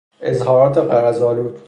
اظهارات غرض آلود